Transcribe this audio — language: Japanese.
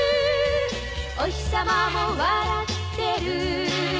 「おひさまも笑ってる」